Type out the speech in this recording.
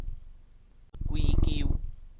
歸咎